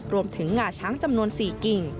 รวมถึงหง่าช้างจำนวน๔กิ่ง